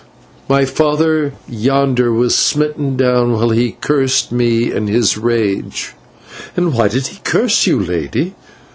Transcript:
My father yonder was smitten down while he cursed me in his rage." "And why did he curse you, Lady?"